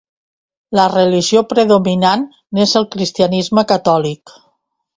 La religió predominant n'és el cristianisme catòlic.